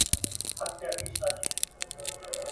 غيرتي ډبرين زړونه ..